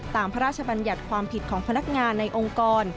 พระราชบัญญัติความผิดของพนักงานในองค์กร